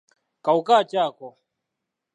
Kawuka ki ako?